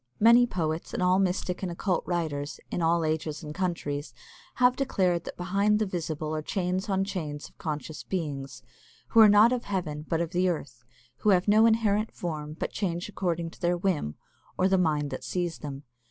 Many poets, and all mystic and occult writers, in all ages and countries, have declared that behind the visible are chains on chains of conscious beings, who are not of heaven but of the earth, who have no inherent form but change according to their whim, or the mind that sees them.